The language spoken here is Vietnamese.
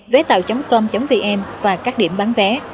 vétao com vn và các điểm bán vé